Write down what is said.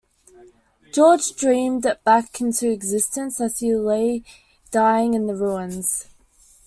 George dreamed it back into existence as he lay dying in the ruins.